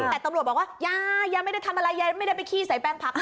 แต่ตำรวจบอกว่ายายยายไม่ได้ทำอะไรยายไม่ได้ไปขี้ใส่แปลงผัก